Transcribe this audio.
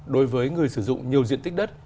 đối với người sử dụng nhiều diện tích đất